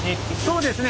そうですね。